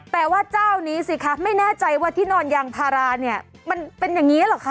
แต่ว่าเจ้านี้สิครับไม่อยากน่าใจว่าที่นอนอย่างพาลานี้มันเป็นอย่างงี้เหรอค่ะ